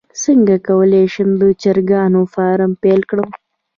څنګه کولی شم د چرګانو فارم پیل کړم